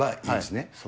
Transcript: そうです。